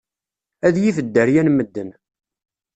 Ad yif dderya n medden.